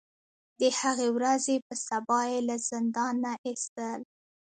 د هغې ورځې په سبا یې له زندان نه ایستل.